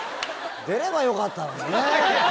出ればよかったのにね。